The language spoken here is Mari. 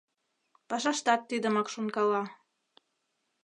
Пашаштат тидымак шонкала.